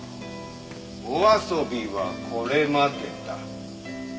お遊びはこれまでだ。